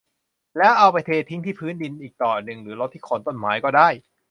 แล้วเอาไปเทที่พื้นดินอีกต่อหนึ่งหรือรดที่โคนต้นไม้ก็ได้